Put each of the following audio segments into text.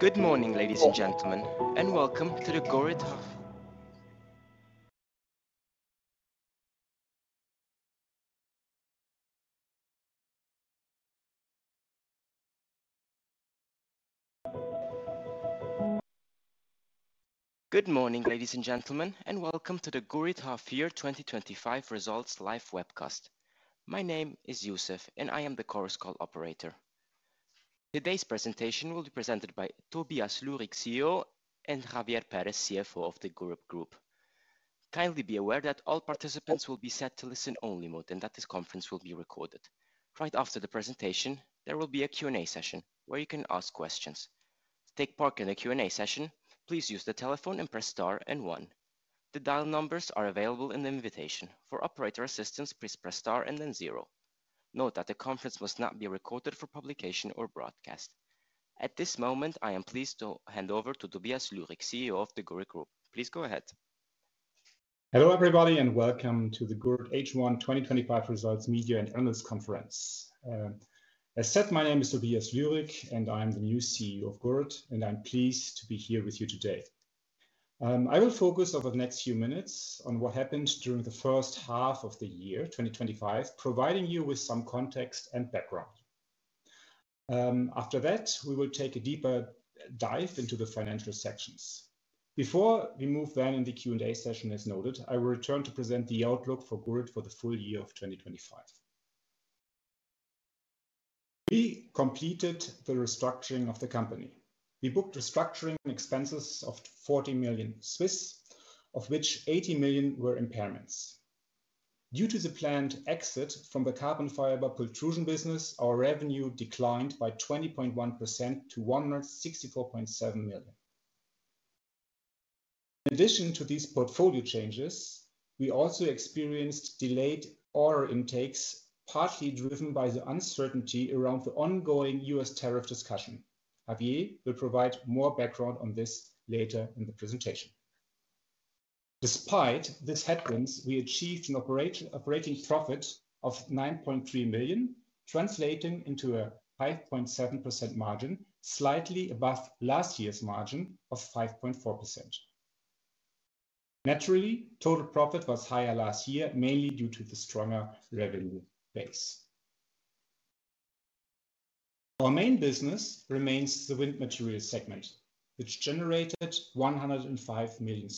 Good morning, ladies and gentlemen, and welcome to the Gurit Half-Year 2025 Results Live Webcast. My name is Yusuf, and I am the Chorus Call operator. Today's presentation will be presented by Tobias Lührig, CEO, and Javier Perez-Freije, CFO of the Gurit Group. Kindly be aware that all participants will be set to listen-only mode, and that this conference will be recorded. Right after the presentation, there will be a Q&A session where you can ask questions. To take part in the Q&A session, please use the telephone and press star and one. The dial numbers are available in the invitation. For operator assistance, please press star and then zero. Note that the conference must not be recorded for publication or broadcast. At this moment, I am pleased to hand over to Tobias Lührig, CEO of Gurit Group. Please go ahead. Hello everybody, and welcome to the Gurit H1 2025 Results Media and Awareness Conference. As said, my name is Tobias Lührig, and I am the new CEO of Gurit, and I'm pleased to be here with you today. I will focus over the next few minutes on what happened during the first-half of the year 2025, providing you with some context and background. After that, we will take a deeper dive into the financial sections. Before we move then in the Q&A session, as noted, I will return to present the outlook for Gurit for the full-year of 2025. We completed the restructuring of the company. We booked restructuring and expenses of 40 million, of which 8 million were impairments. Due to the planned exit from the carbon fiber pultrusion business, our revenue declined by 20.1% to 164.7 million. In addition to these portfolio changes, we also experienced delayed order intakes, partially driven by the uncertainty around the ongoing U.S. tariff discussion. Javier will provide more background on this later in the presentation. Despite these headWind s, we achieved an operating profit of 9.3 million, translating into a 5.7% margin, slightly above last year's margin of 5.4%. Naturally, total profit was higher last year, mainly due to the stronger revenue base. Our main business remains the Wind material segment, which generated 105 million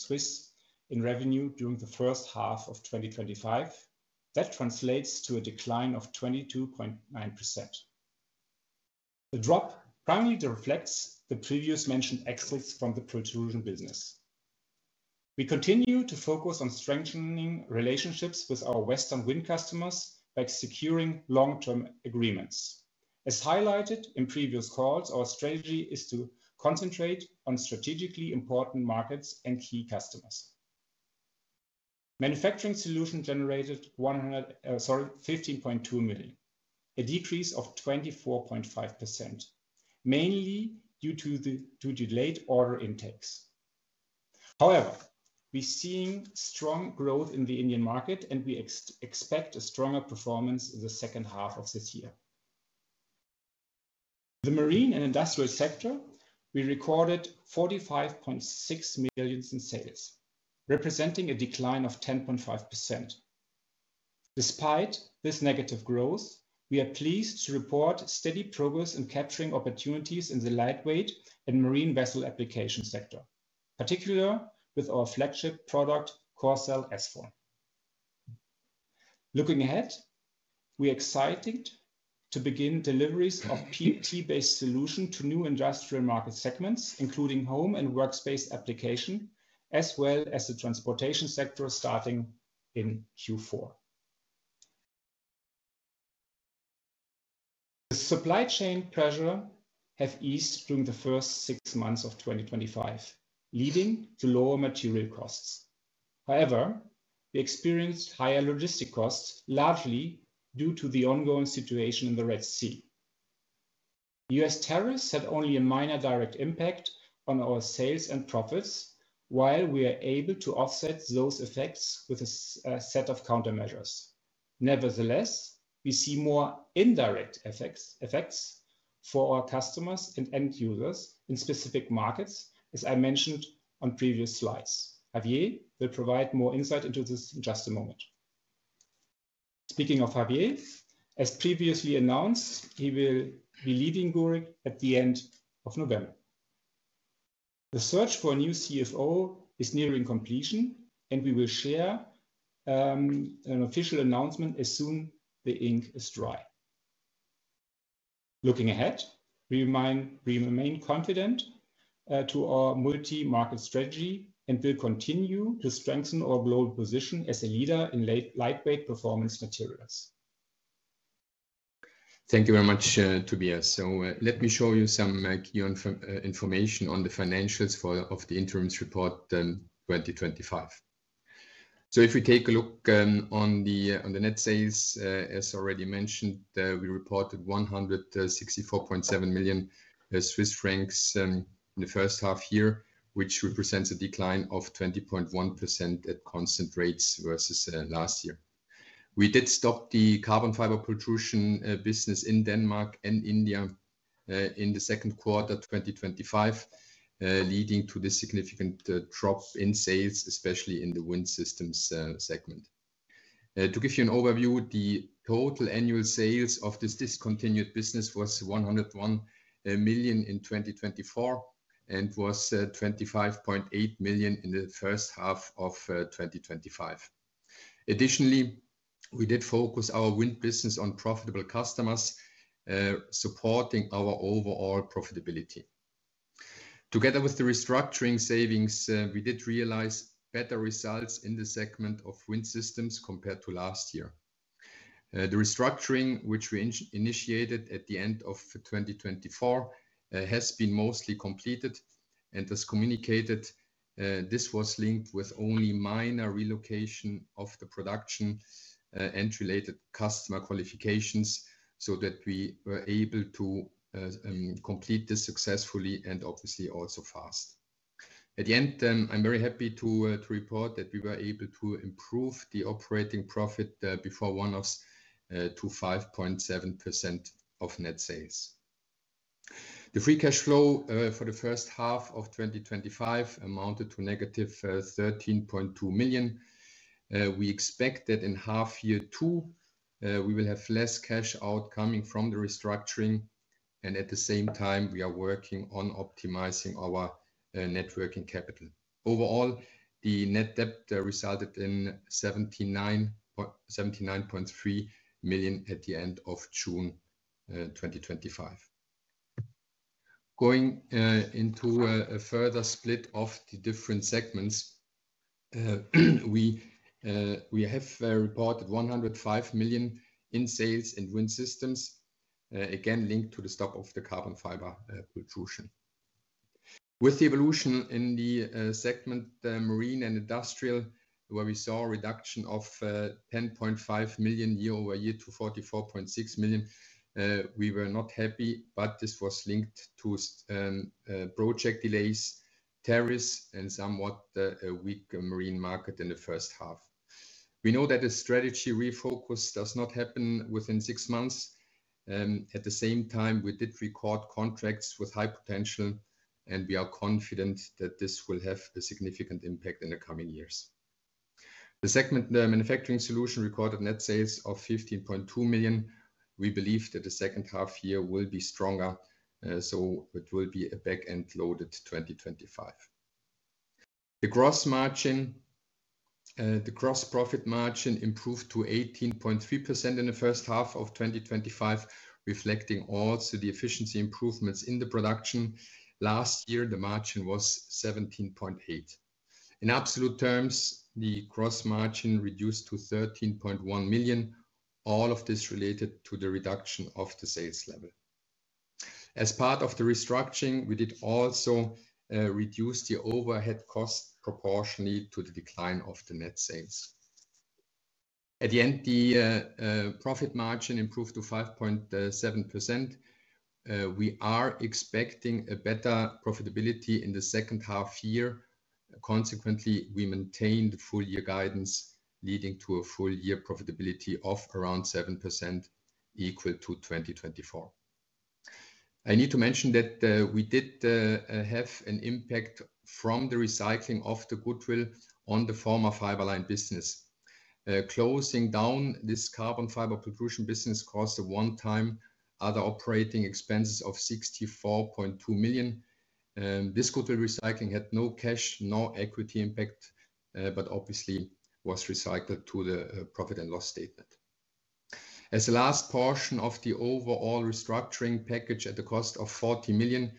in revenue during the first-half of 2025. That translates to a decline of 22.9%. The drop primarily reflects the previously mentioned exits from the pultrusion business. We continue to focus on strengthening relationships with our Western Wind customers by securing long-term agreements. As highlighted in previous calls, our strategy is to concentrate on strategically important markets and key customers. Manufacturing Solutions generated 115.2 million, a decrease of 24.5%, mainly due to delayed order intakes. However, we're seeing strong growth in the Indian market, and we expect a stronger performance in the second-half of this year. In the Marine and Industrial sector, we recorded 45.6 million in sales, representing a decline of 10.5%. Despite this negative growth, we are pleased to report steady progress in capturing opportunities in the lightweight and marine vessel application sector, particularly with our flagship product, CoreCell S4. Looking ahead, we are excited to begin deliveries of PET-based solutions to new industrial market segments, including Home and Workspace applications, as well as the Transportation sector, starting in Q4. The supply chain pressures have eased during the first six months of 2025, leading to lower material costs. However, we experienced higher logistics costs, largely due to the ongoing situation in the Red Sea. U.S. tariffs had only a minor direct impact on our sales and profits, while we were able to offset those effects with a set of countermeasures. Nevertheless, we see more indirect effects for our customers and end users in specific markets, as I mentioned on previous slides. Javier will provide more insight into this in just a moment. Speaking of Javier, as previously announced, he will be leaving Gurit at the end of November. The search for a new CFO is nearing completion, and we will share an official announcement as soon as the ink is dry. Looking ahead, we remain confident in our multi-market strategy and will continue to strengthen our global position as a leader in lightweight performance materials. Thank you very much, Tobias. Let me show you some key information on the financials of the interims report for 2025. If we take a look on the net sales, as already mentioned, we reported 164.7 million Swiss francs in the first-half year, which represents a decline of 20.1% at constant rates versus last year. We did stop the carbon fiber pultrusion business in Denmark and India in the second quarter of 2025, leading to this significant drop in sales, especially in the Wind Systems segment. To give you an overview, the total annual sales of this discontinued business were 101 million in 2024 and were 25.8 million in the first-half of 2025. Additionally, we did focus our Wind business on profitable customers, supporting our overall profitability. Together with the restructuring savings, we did realize better results in the segment of Wind Systems compared to last year. The restructuring, which we initiated at the end of 2024, has been mostly completed and as communicated, this was linked with only minor relocation of the production and related customer qualifications so that we were able to complete this successfully and obviously also fast. At the end, I'm very happy to report that we were able to improve the operating profit before one-offs to 5.7% of net sales. The free cash flow for the first-half of 2025 amounted to -13.2 million. We expect that in half year two, we will have less cash outcoming from the restructuring, and at the same time, we are working on optimizing our working capital. Overall, the net debt resulted in 79.3 million at the end of June 2025. Going into a further split of the different segments, we have reported 105 million in sales in Wind Systems, again linked to the stop of the carbon fiber pultrusion. With the evolution in the segment, the Marine and Industrial, where we saw a reduction of 10.5 million year-over-year to 44.6 million, we were not happy, but this was linked to project delays, tariffs, and somewhat a weak marine market in the first-half. We know that a strategy refocus does not happen within six months. At the same time, we did record contracts with high potential, and we are confident that this will have a significant impact in the coming years. The segment, the manufacturing solution, recorded net sales of 15.2 million. We believe that the second-half year will be stronger, so it will be a back-end loaded 2025. The gross margin, the gross profit margin improved to 18.3% in the first-half of 2025, reflecting also the efficiency improvements in the production. Last year, the margin was 17.8%. In absolute terms, the gross margin reduced to 13.1 million. All of this related to the reduction of the sales level. As part of the restructuring, we did also reduce the overhead cost proportionately to the decline of the net sales. At the end, the profit margin improved to 5.7%. We are expecting a better profitability in the second-half year. Consequently, we maintained the full-year guidance, leading to a full-year profitability of around 7%, equal to 2024. I need to mention that we did have an impact from the recycling of the goodwill on the former Fiberline business. Closing down this carbon fiber pultrusion business caused a one-time other operating expenses of 64.2 million. This goodwill recycling had no cash nor equity impact, but obviously was recycled to the profit and loss statement. As the last portion of the overall restructuring package at the cost of 40 million,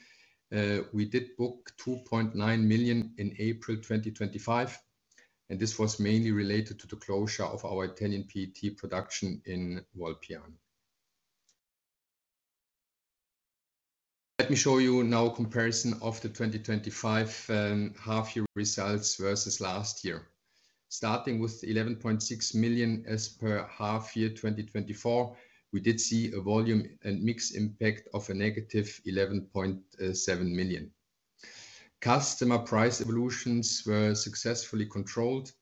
we did book 2.9 million in April 2025, and this was mainly related to the closure of our Italian PET production in Volpiano. Let me show you now a comparison of the 2025 half-year results versus last year. Starting with 11.6 million as per half-year 2024, we did see a volume and mix impact of a -11.7 million. Customer price evolutions were successfully controlled,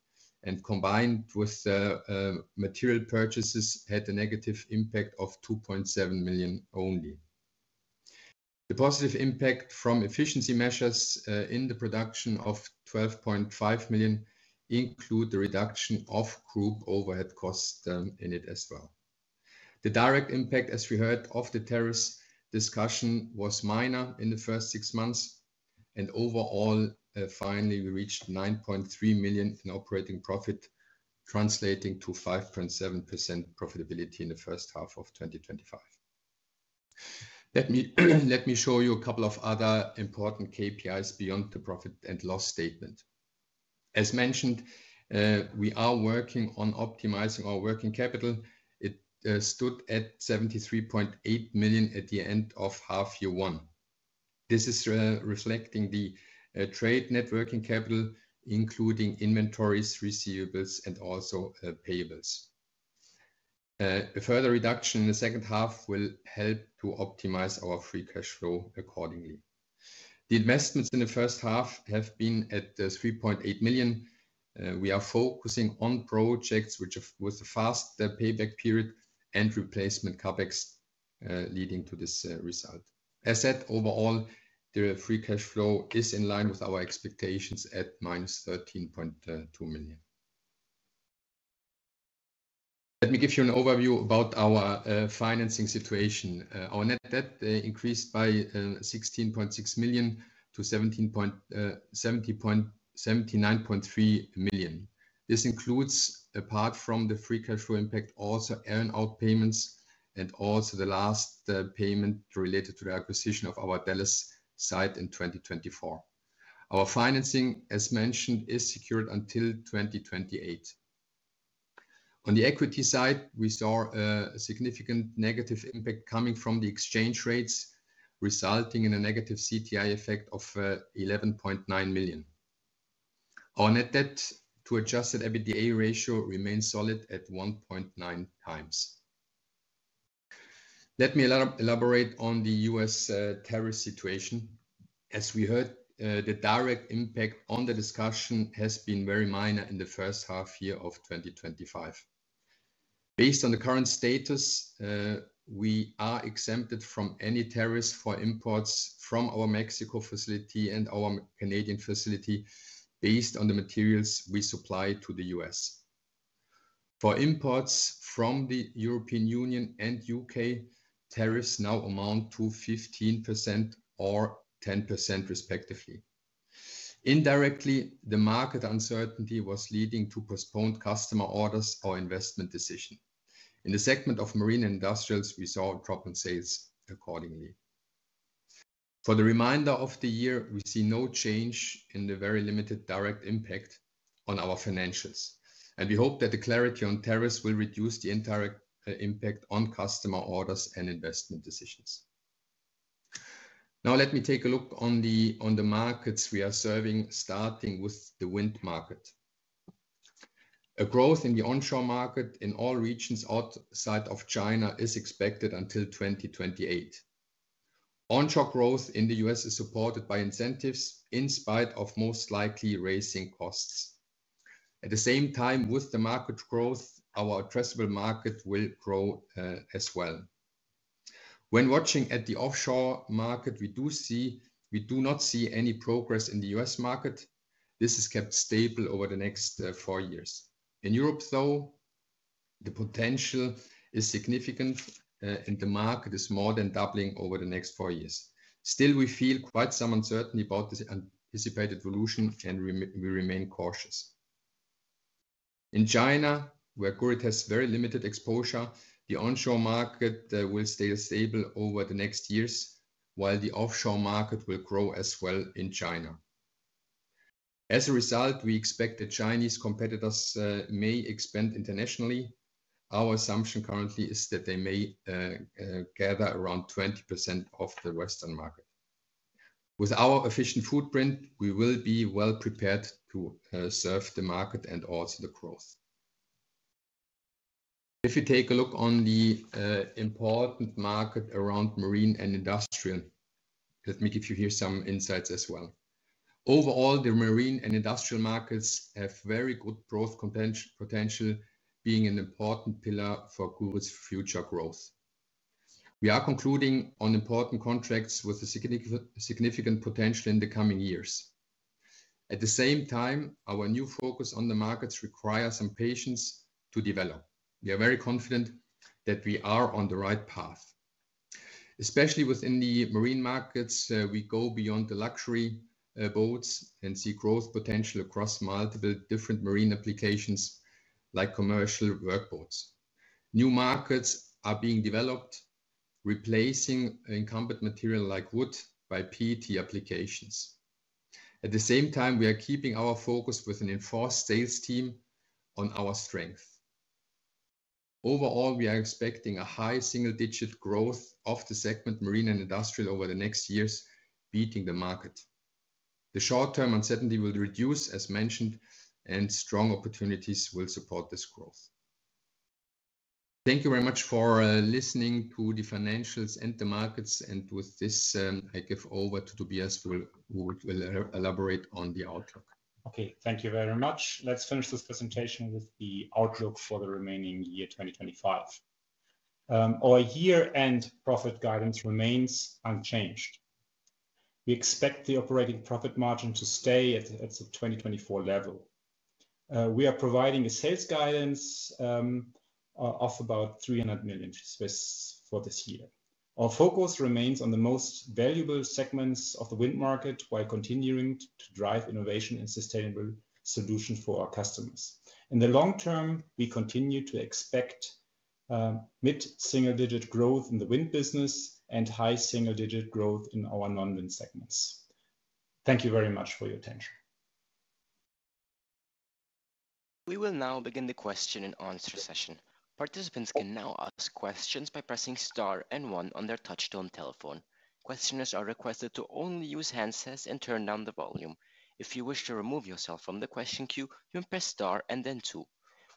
and combined with the material purchases, had a negative impact of 2.7 million only. The positive impact from efficiency measures in the production of 12.5 million includes the reduction of group overhead costs in it as well. The direct impact, as we heard of the tariffs discussion, was minor in the first six months, and overall, finally, we reached 9.3 million in operating profit, translating to 5.7% profitability in the first-half of 2025. Let me show you a couple of other important KPIs beyond the profit and loss statement. As mentioned, we are working on optimizing our working capital. It stood at 73.8 million at the end of half-year one. This is reflecting the trade networking capital, including inventories, receivables, and also payables. A further reduction in the second-half will help to optimize our free cash flow accordingly. The investments in the first-half have been at 3.8 million. We are focusing on projects with a fast payback period and replacement CapEx, leading to this result. As said, overall, the free cash flow is in line with our expectations at -13.2 million. Let me give you an overview about our financing situation. Our net debt increased by 16.6 million-79.3 million. This includes, apart from the free cash flow impact, also earnout payments and also the last payment related to the acquisition of our Dallas site in 2024. Our financing, as mentioned, is secured until 2028. On the equity side, we saw a significant negative impact coming from the exchange rates, resulting in a negative CTI effect of 11.9 million. Our net debt to adjusted EBITDA ratio remains solid at 1.9x. Let me elaborate on the U.S. tariff situation. As we heard, the direct impact on the discussion has been very minor in the first-half year of 2025. Based on the current status, we are exempted from any tariffs for imports from our Mexico facility and our Canadian facility, based on the materials we supply to the U.S. For imports from the European Union and U.K., tariffs now amount to 15% or 10% respectively. Indirectly, the market uncertainty was leading to postponed customer orders or investment decisions. In the segment of Marine industrials, we saw a drop in sales accordingly. For the remainder of the year, we see no change in the very limited direct impact on our financials, and we hope that the clarity on tariffs will reduce the indirect impact on customer orders and investment decisions. Now, let me take a look on the markets we are serving, starting with the Wind market. A growth in the onshore market in all regions outside of China is expected until 2028. Onshore growth in the U.S. is supported by incentives, in spite of most likely raising costs. At the same time, with the market growth, our addressable markets will grow as well. When watching at the offshore market, we do not see any progress in the U.S. market. This is kept stable over the next four years. In Europe, though, the potential is significant, and the market is more than doubling over the next four years. Still, we feel quite some uncertainty about this anticipated evolution, and we remain cautious. In China, where Gurit has very limited exposure, the onshore market will stay stable over the next years, while the offshore market will grow as well in China. As a result, we expect the Chinese competitors may expand internationally. Our assumption currently is that they may gather around 20% of the Western market. With our efficient footprint, we will be well prepared to serve the market and also the growth. If you take a look on the important market around Marine and Industrial, let me give you here some insights as well. Overall, the Marine and Industrial markets have very good growth potential, being an important pillar for Gurit's future growth. We are concluding on important contracts with a significant potential in the coming years. At the same time, our new focus on the markets requires some patience to develop. We are very confident that we are on the right path. Especially within the Marine markets, we go beyond the luxury boats and see growth potential across multiple different Marine applications, like commercial workboats. New markets are being developed, replacing incumbent material like wood by PET applications. At the same time, we are keeping our focus with an enforced sales team on our strength. Overall, we are expecting a high single-digit growth of the segment Marine and Industrial over the next years, beating the market. The short-term uncertainty will reduce, as mentioned, and strong opportunities will support this growth. Thank you very much for listening to the financials and the markets, and with this, I give over to Tobias, who will elaborate on the outlook. Okay, thank you very much. Let's finish this presentation with the outlook for the remaining year 2025. Our year-end profit guidance remains unchanged. We expect the operating profit margin to stay at the 2024 level. We are providing a sales guidance of about 300 million for this year. Our focus remains on the most valuable segments of the Wind market while continuing to drive innovation and sustainable solutions for our customers. In the long-term, we continue to expect mid-single-digit growth in the Wind business and high single-digit growth in our non-Wind segments. Thank you very much for your attention. We will now begin the question-and-answer session. Participants can now ask questions by pressing star and one on their touch-tone telephone. Questioners are requested to only use handsets and turn down the volume. If you wish to remove yourself from the question queue, you can press star and then two.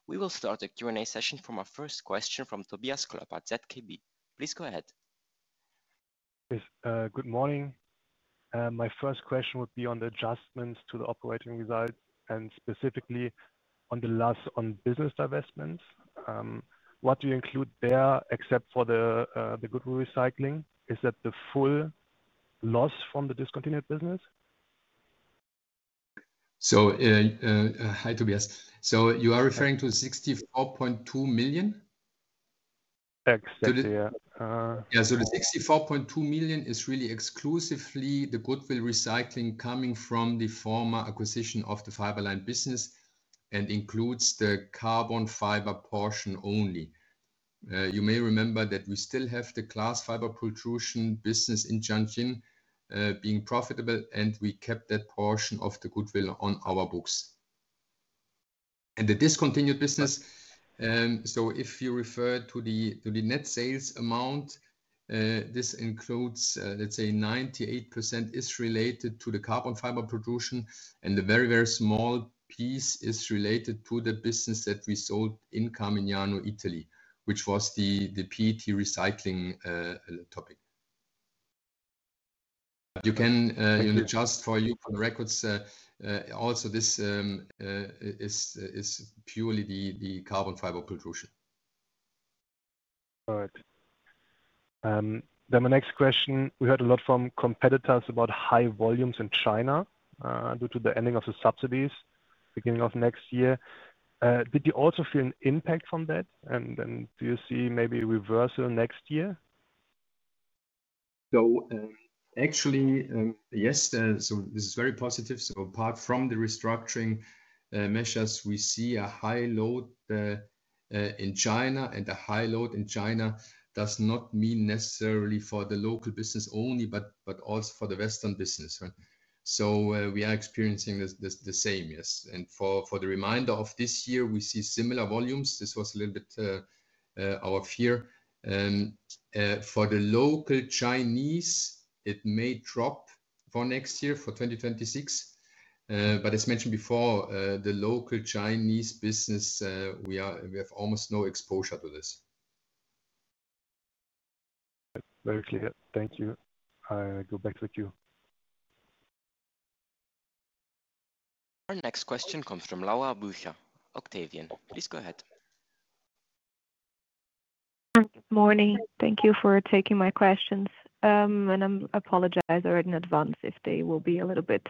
We will start the Q&A session with our first question from Tobias Klöpper ZKB. Please go ahead. Good morning. My first question would be on the adjustments to the operating result and specifically on the loss on business divestments. What do you include there except for the goodwill recycling? Is that the full loss from the discontinued business? Hi, Tobias. You are referring to CFH 64.2 million? Exactly. Yeah, so the 64.2 million is really exclusively the goodwill recycling coming from the former acquisition of the Fiberline business and includes the carbon fiber pultrusion only. You may remember that we still have the glass fiber pultrusion business in Jiangyin being profitable, and we kept that portion of the goodwill on our books. The discontinued business, if you refer to the net sales amount, includes, let's say, 98% related to the carbon fiber pultrusion, and a very, very small piece is related to the business that we sold in Carmignano, Italy, which was the PET recycling topic. You can adjust for your records. Also, this is purely the carbon fiber pultrusion. All right. My next question, we heard a lot from competitors about high volumes in China due to the ending of the subsidies beginning of next year. Did you also feel an impact from that, and do you see maybe a reversal next year? Yes, this is very positive. Apart from the restructuring measures, we see a high load in China, and a high load in China does not mean necessarily for the local business only, but also for the Western business. We are experiencing the same, yes. For the remainder of this year, we see similar volumes. This was a little bit our fear. For the local Chinese, it may drop for next year, for 2026. As mentioned before, the local Chinese business, we have almost no exposure to this. Very clear. Thank you. I go back to the queue. Our next question comes from Laura Bucher, Octavian, please go ahead. Good morning. Thank you for taking my questions. I apologize in advance if they will be a little bit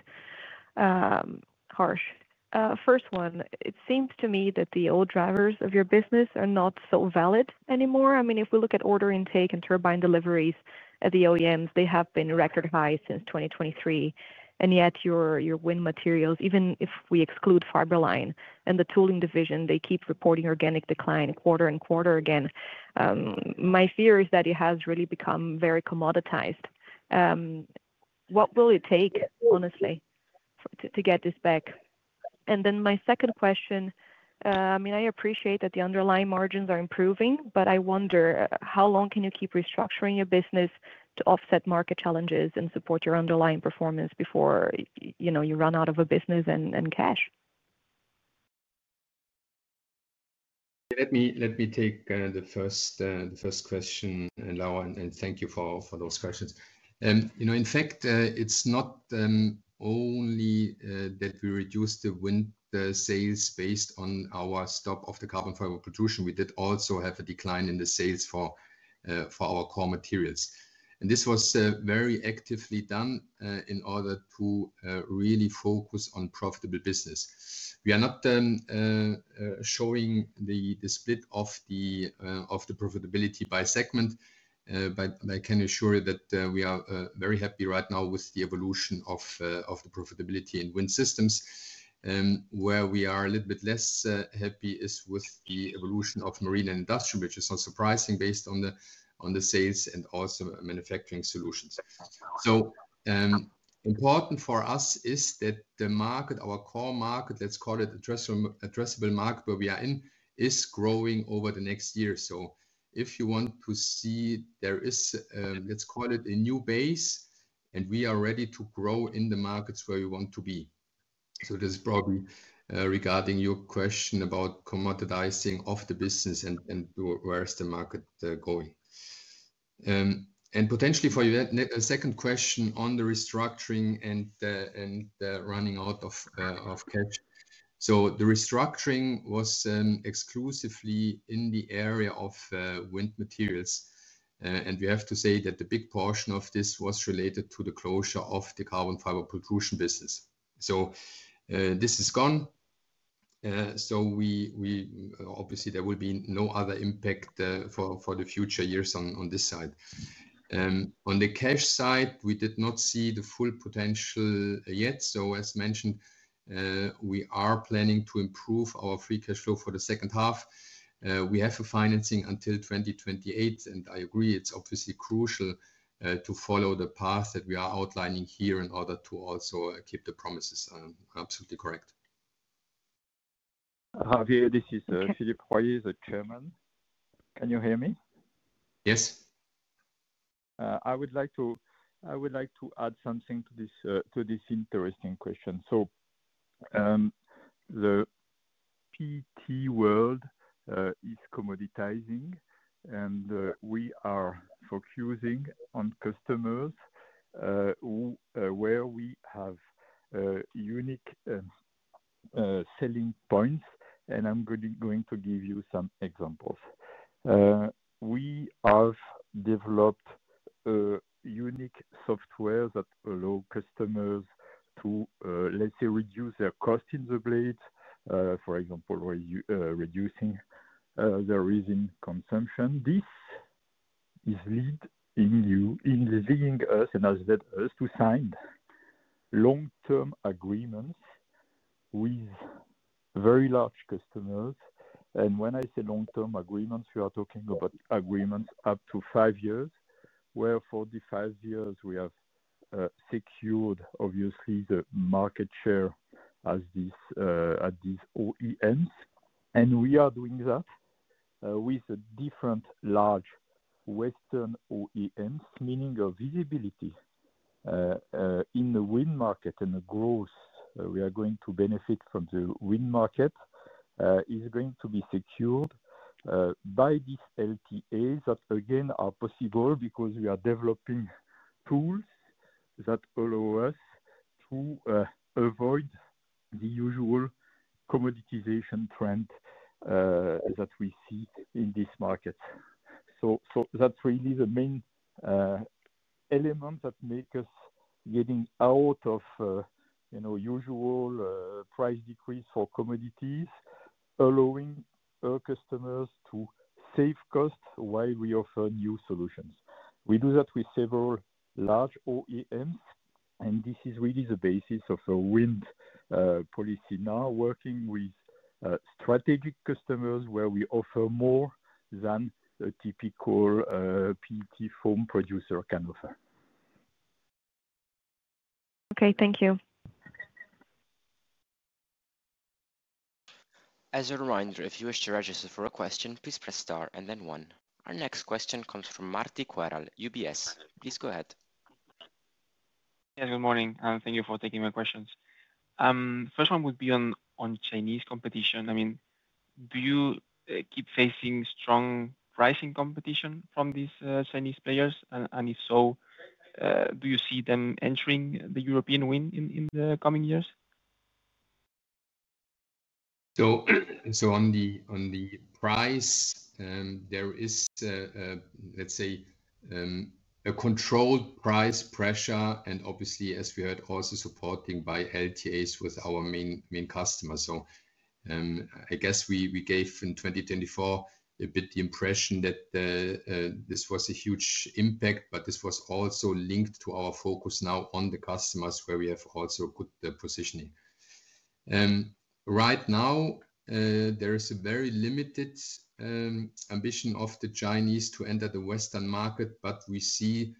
harsh. First one, it seems to me that the old drivers of your business are not so valid anymore. I mean, if we look at order intake and turbine deliveries at the OEMs, they have been record high since 2023. Yet your Wind Materials, even if we exclude Fiberline and the tooling division, keep reporting organic decline quarter and quarter again. My fear is that it has really become very commoditized. What will it take, honestly, to get this back? My second question, I appreciate that the underlying margins are improving, but I wonder how long can you keep restructuring your business to offset market challenges and support your underlying performance before you run out of a business and cash? Let me take the first question, Laura, and thank you for those questions. In fact, it's not only that we reduced the Wind sales based on our stop of the carbon fiber pultrusion production. We did also have a decline in the sales for our Core Materials. This was very actively done in order to really focus on profitable business. We are not showing the split of the profitability by segment, but I can assure you that we are very happy right now with the evolution of the profitability in Wind Systems. Where we are a little bit less happy is with the evolution of Marine and Industrial, which is not surprising based on the sales and also Manufacturing Solutions. Important for us is that the market, our core market, let's call it addressable market where we are in, is growing over the next year. If you want to see, there is, let's call it a new base, and we are ready to grow in the markets where you want to be. This is probably regarding your question about commoditizing of the business and where is the market going. Potentially for your second question on the restructuring and the running out of cash. The restructuring was exclusively in the area of Wind Materials. We have to say that the big portion of this was related to the closure of the carbon fiber pultrusion business. This is gone. Obviously, there will be no other impact for the future years on this side. On the cash side, we did not see the full potential yet. As mentioned, we are planning to improve our free cash flow for the second-half. We have a financing until 2028, and I agree it's obviously crucial to follow the path that we are outlining here in order to also keep the promises absolutely correct. Javier, this is Philippe Royer, the Chairman. Can you hear me? Yes. I would like to add something to this interesting question. The PET world is commoditizing, and we are focusing on customers where we have unique selling points, and I'm going to give you some examples. We have developed unique proprietary software that allows customers to, let's say, reduce their cost in the blades, for example, reducing their resin consumption. This is leading us to sign long-term agreements with very large customers. When I say long-term agreements, we are talking about agreements up to five years, where for the five years, we have secured, obviously, the market share at these OEMs. We are doing that with different large Western OEMs, meaning a visibility in the Wind market and the growth we are going to benefit from in the Wind market is going to be secured by these LTAs that, again, are possible because we are developing tools that allow us to avoid the usual commoditization trend that we see in these markets. That's really the main element that makes us get out of the usual price decrease for commodities, allowing our customers to save costs while we offer new solutions. We do that with several large OEMs, and this is really the basis of our Wind policy. Now, working with strategic customers where we offer more than a typical PET foam producer can offer. Okay, thank you. As a reminder, if you wish to register for a question, please press star and then one. Our next question comes from Marti Queral, UBS. Please go ahead. Yes, good morning. Thank you for taking my questions. The first one would be on Chinese competition. Do you keep facing strong pricing competition from these Chinese players? If so, do you see them entering the European Wind in the coming years? On the price, there is, let's say, a controlled price pressure, and obviously, as we heard, also supported by LTAs with our main customers. I guess we gave in 2024 a bit the impression that this was a huge impact, but this was also linked to our focus now on the customers where we have also a good positioning. Right now, there is a very limited ambition of the Chinese to enter the Western market, but we see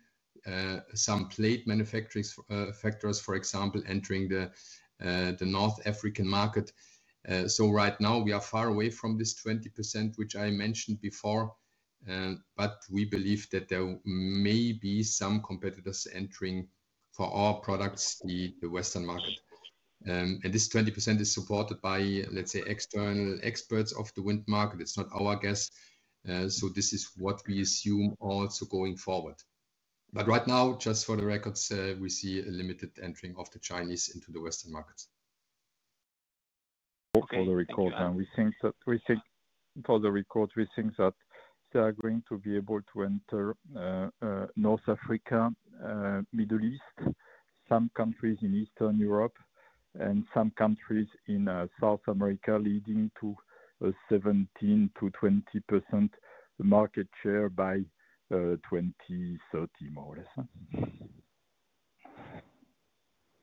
some plate manufacturers, for example, entering the North African market. Right now, we are far away from this 20%, which I mentioned before, but we believe that there may be some competitors entering for our products in the Western market. This 20% is supported by, let's say, external experts of the Wind market. It's not our guess. This is what we assume also going forward. Right now, just for the records, we see a limited entry of the Chinese into the Western markets. For the record, we think that they are going to be able to enter North Africa, Middle East, some countries in Eastern Europe, and some countries in South America, leading to a 17%-20% market share by 2030, more or less.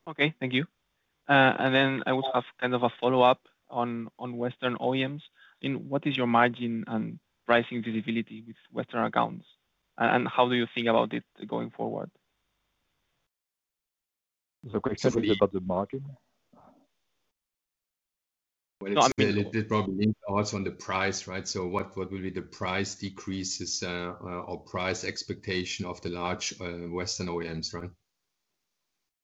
Okay, thank you. I would have kind of a follow-up on Western OEMs. I mean, what is your margin and pricing visibility with Western accounts? How do you think about it going forward? The question will be about the operating margin. No, I mean. It probably links also on the price, right? What will be the price decreases or price expectation of the large Western OEMs, right?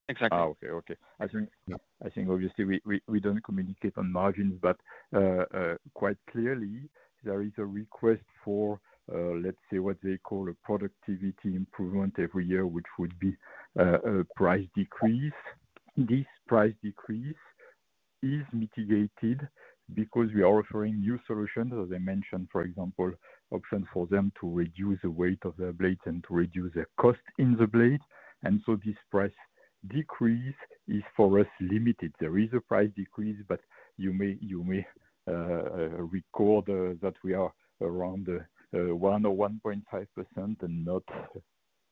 Exactly. I think obviously we don't communicate on margins, but quite clearly, there is a request for, let's say, what they call a productivity improvement every year, which would be a price decrease. This price decrease is mitigated because we are offering new solutions, as I mentioned, for example, options for them to reduce the weight of their blades and to reduce their cost in the blade. This price decrease is for us limited. There is a price decrease, but you may record that we are around 1% or 1.5% and not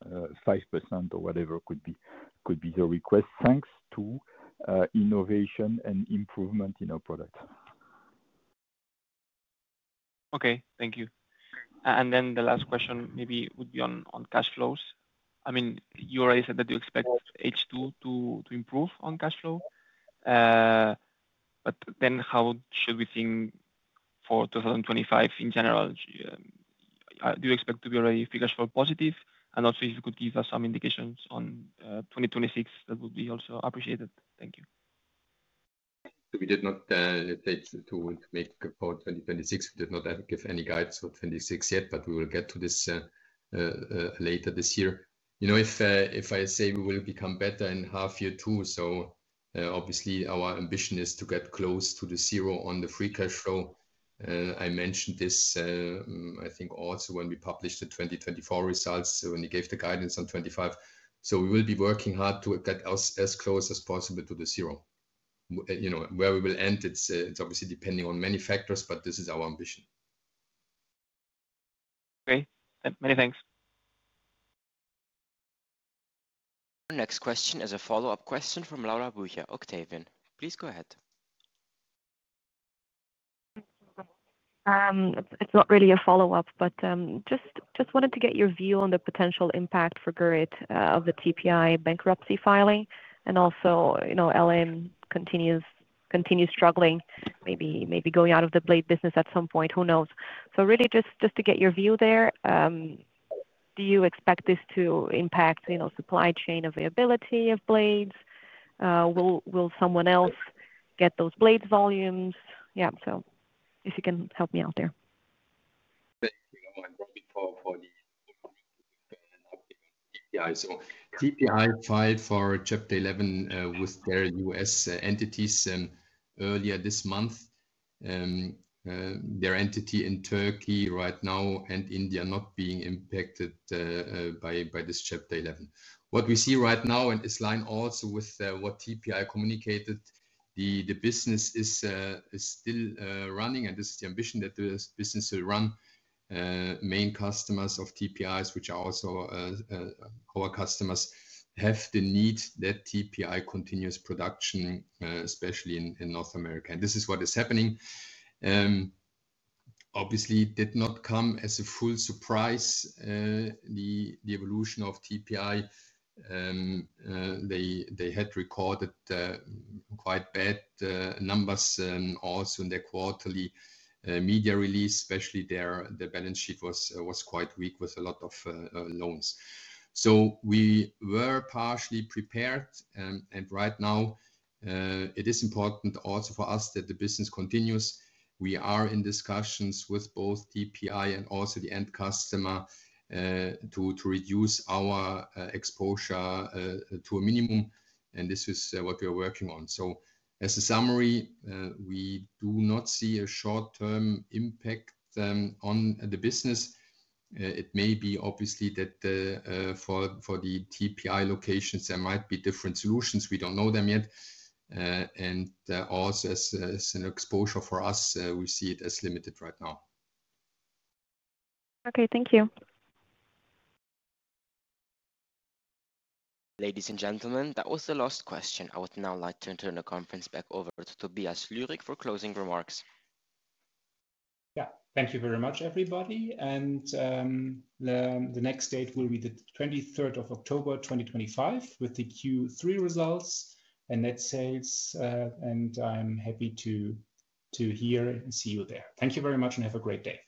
5% or whatever could be the request, thanks to innovation and improvement in our product. Okay, thank you. The last question maybe would be on cash flows. I mean, you already said that you expect H2 to improve on cash flow, but how should we think for 2025 in general? Do you expect to be already focused for positive? Also, if you could give us some indications on 2026, that would be also appreciated. Thank you. We did not, let's say, to make about 2026, we did not give any guides for 2026 yet, but we will get to this later this year. You know, if I say we will become better in half-year two, obviously our ambition is to get close to the zero on the free cash flow. I mentioned this, I think, also when we published the 2024 results, when you gave the guidance on 2025. We will be working hard to get as close as possible to the zero. You know, where we will end, it's obviously depending on many factors, but this is our ambition. Okay, many thanks. Our next question is a follow-up question from Laura Bucher, Octavian, please go ahead. It's not really a follow-up, but just wanted to get your view on the potential impact for Gurit of the TPI bankruptcy filing. Also, you know, LM continues struggling, maybe going out of the blade business at some point, who knows? Really just to get your view there, do you expect this to impact supply chain availability of blades? Will someone else get those blade volumes? If you can help me out there. I'm on the call for the TPI. TPI filed for Chapter 11 with their U.S. entities earlier this month. Their entity in Turkey right now and India are not being impacted by this Chapter 11. What we see right now, and this aligns also with what TPI communicated, the business is still running, and this is the ambition that the business will run. Main customers of TPI, which are also our customers, have the need that TPI continues production, especially in North America. This is what is happening. Obviously, it did not come as a full surprise, the evolution of TPI. They had recorded quite bad numbers also in their quarterly media release, especially their balance sheet was quite weak with a lot of loans. We were partially prepared, and right now, it is important also for us that the business continues. We are in discussions with both TPI and also the end customer to reduce our exposure to a minimum, and this is what we are working on. As a summary, we do not see a short-term impact on the business. It may be obviously that for the TPI locations, there might be different solutions. We don't know them yet. Also, as an exposure for us, we see it as limited right now. Okay, thank you. Ladies and gentlemen, that was the last question. I would now like to turn the conference back over to Tobias Lührig for closing remarks. Thank you very much, everybody. The next date will be the 23rd of October 2025 with the Q3 results and net sales. I'm happy to hear and see you there. Thank you very much and have a great day.